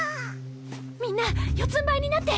みんな四つんばいになって！